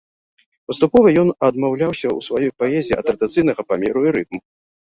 Паступова ён адмаўляўся ў сваёй паэзіі ад традыцыйнага памеру і рытму.